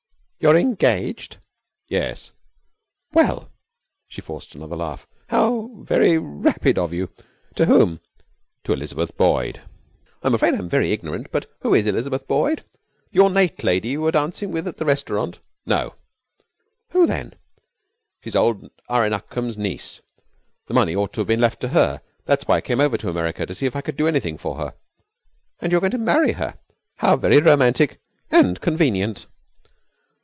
'You're engaged?' 'Yes.' 'Well!' She forced another laugh. 'How very rapid of you! To whom?' 'To Elizabeth Boyd.' 'I'm afraid I'm very ignorant, but who is Elizabeth Boyd? The ornate lady you were dancing with at the restaurant?' 'No!' 'Who then?' 'She is old Ira Nutcombe's niece. The money ought to have been left to her. That was why I came over to America, to see if I could do anything for her.' 'And you're going to marry her? How very romantic and convenient!